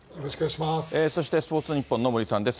そしてスポーツニッポンの森さんです。